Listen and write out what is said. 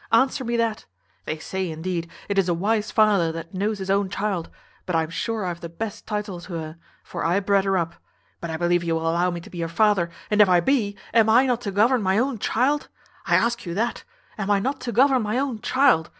answer me that. They say, indeed, it is a wise father that knows his own child; but I am sure I have the best title to her, for I bred her up. But I believe you will allow me to be her father, and if I be, am I not to govern my own child? I ask you that, am I not to govern my own child?